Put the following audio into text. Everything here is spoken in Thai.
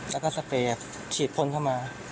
แล้วก็สเปรย์ฉีดพ่นเข้ามา